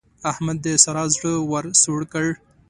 احمد د سارا زړه ور سوړ کړ.